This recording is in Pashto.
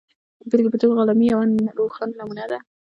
د بېلګې په توګه غلامي یوه روښانه نمونه ده.